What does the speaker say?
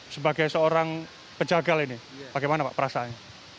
sebagai seorang penjagal ini bagaimana pak perasaannya